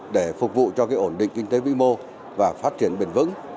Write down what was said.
để phục vụ cho ổn định kinh tế vĩ mô và phát triển bền vững